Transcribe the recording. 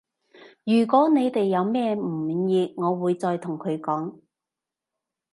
如果你哋有咩唔滿意我會再同佢講